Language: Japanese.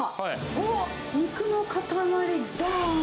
おっ、肉の塊どーん！